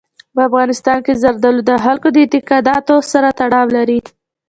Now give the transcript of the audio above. په افغانستان کې زردالو د خلکو د اعتقاداتو سره تړاو لري.